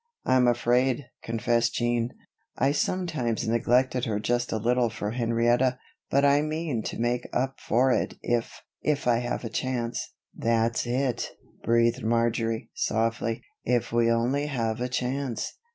"I'm afraid," confessed Jean, "I sometimes neglected her just a little for Henrietta; but I mean to make up for it if if I have a chance." "That's it," breathed Marjory, softly, "if we only have a chance."